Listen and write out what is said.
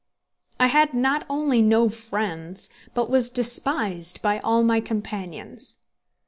I had not only no friends, but was despised by all my companions.